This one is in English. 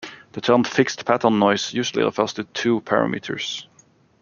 The term "fixed pattern noise" usually refers to two parameters.